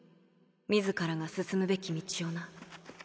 自らが進むべき道をな